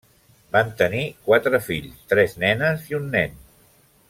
Van tenir quatre fills, tres nenes i un nen.